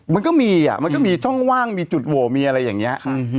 มันก็มีอ่ะมันก็มีช่องว่างมีจุดโหวมีอะไรอย่างนี้